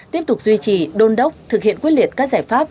tiếp tục duy trì đôn đốc thực hiện quyết liệt các giải pháp